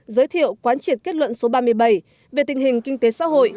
giới thiệu quán triệt kết luận số ba mươi bảy về tình hình kinh tế xã hội